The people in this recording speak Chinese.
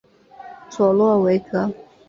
佐洛韦格。